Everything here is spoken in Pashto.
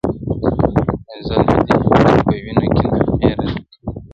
ازل مي دي په وینو کي نغمې راته کرلي.!